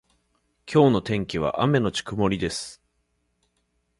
今日の天気は雨のち曇りです。